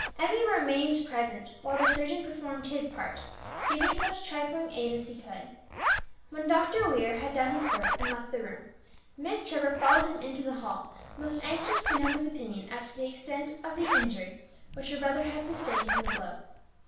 Emmie remained present while the surgeon performed his part, giving such trifling aid as she could. When Dr. Weir had done his work and left the room, Miss Trevor followed him into the hall, most anxious to know his opinion as to the extent of the injury which her brother had sustained from the blow.